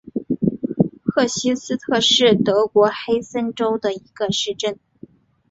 赫希斯特是德国黑森州的一个市镇。